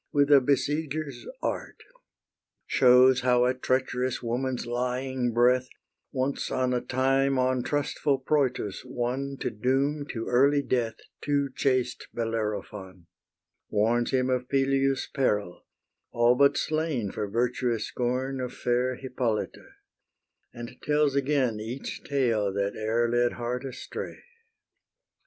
With a besieger's art; Shows how a treacherous woman's lying breath Once on a time on trustful Proetus won To doom to early death Too chaste Bellerophon; Warns him of Peleus' peril, all but slain For virtuous scorn of fair Hippolyta, And tells again each tale That e'er led heart astray.